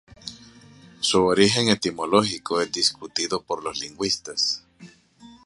Su origen etimológico es discutido por los lingüistas.